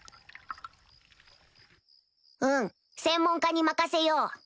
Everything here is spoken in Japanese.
うん専門家に任せよう